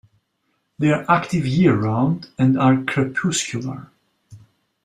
They are active year-round, and are crepuscular.